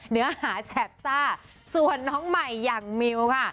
เนื้อหาแสบซ่าส่วนน้องใหม่อย่างมิวค่ะ